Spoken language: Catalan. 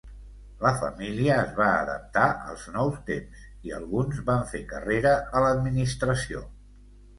La família es va adaptar als nou temps i alguns van fer carrera a l'administració.